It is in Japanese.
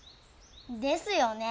ですよね。